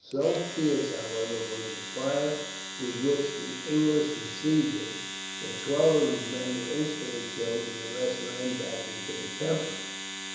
So fierce, however, was the fire with which the English received him, that twelve of his men were instantly killed, and the rest ran back into the temple.